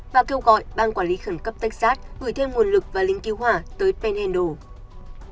và kêu gọi bang quản lý khẩn cấp texas gửi thêm nguồn lực và lính cứu hỏa tới penhandle